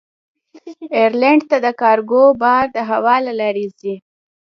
ایرلنډ ته کارګو بار د هوا له لارې ځي.